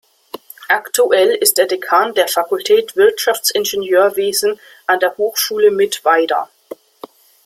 Aktuell ist er Dekan der Fakultät Wirtschaftsingenieurwesen an der Hochschule Mittweida.